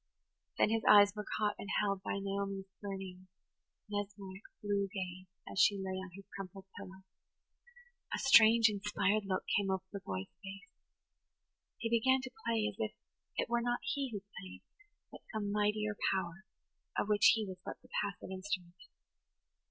Then his eyes were caught and held by Naomi's burning, mesmeric, blue gaze as she lay on her crumpled pillow. A strange, inspired look came over the boy's face. He began to play as if it were not he who played, but some mightier power, of which he was but the passive instrument.